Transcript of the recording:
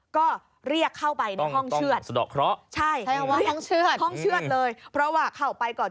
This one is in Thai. ก็เรียกเข้าไปในห้องเชือดใช่ห้องเชือดเลยเพราะว่าเข้าไปก่อน